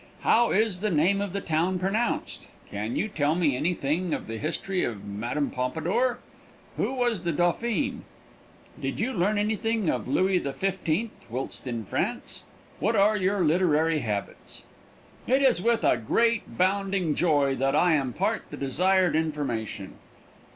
How is the name of the town pronounced? Can you tell me anything of the history of Mme. Pompadour? Who was the Dauphin? Did you learn anything of Louis XV whilst in France? What are your literary habits?" It is with a great, bounding joy that I impart the desired information.